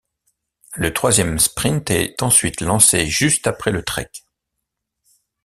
Le troisième sprint est ensuite lancé juste après le trek.